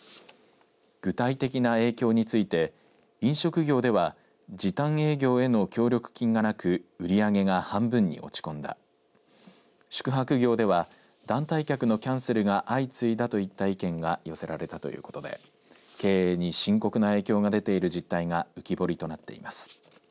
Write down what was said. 具体的な影響について飲食業では時短営業への協力金がなく売り上げが半分に落ち込んだ宿泊業では団体客のキャンセルが相次いだといった意見が寄せられたということで経営に深刻な影響が出ている実態が浮き彫りとなっています。